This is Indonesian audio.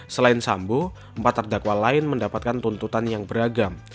selain sambo empat terdakwa lain mendapatkan tuntutan yang beragam